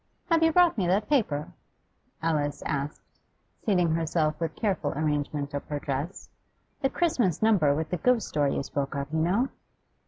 'Have you brought me that paper?' Alice asked, seating herself with careful arrangement of her dress. 'The Christmas number with the ghost story you spoke of, you know?